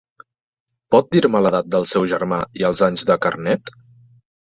Pot dir-me l'edat del seu germà i els anys de carnet?